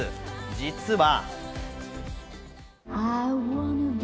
実は。